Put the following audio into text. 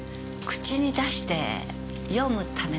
口に出して読むためだわね。